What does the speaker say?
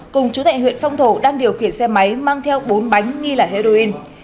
cùng chú tại huyện phong thổ đang điều khiển xe máy mang theo bốn bánh nghi là heroin